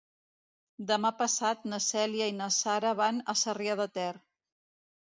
Demà passat na Cèlia i na Sara van a Sarrià de Ter.